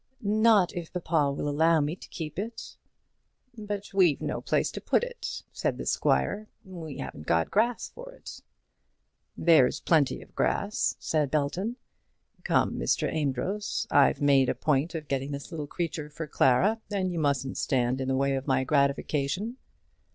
"Not if papa will allow me to keep it." "But we've no place to put it!" said the squire. "We haven't got grass for it!" "There's plenty of grass," said Belton. "Come, Mr. Amedroz; I've made a point of getting this little creature for Clara, and you mustn't stand in the way of my gratification."